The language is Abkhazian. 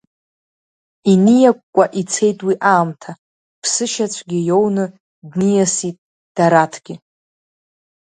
Иниакәкәа ицеит уи аамҭа, ԥсышьацәгьа иоуны дниасит Дараҭгьы…